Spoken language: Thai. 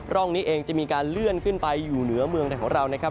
ร่องนี้เองจะมีการเลื่อนขึ้นไปอยู่เหนือเมืองไทยของเรานะครับ